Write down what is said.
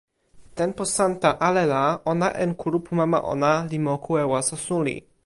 tenpo Santa ale la ona en kulupu mama ona li moku e waso suli.